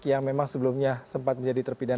yang memang sebelumnya sempat menjadi terpidana